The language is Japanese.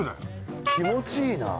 気持ちいいな。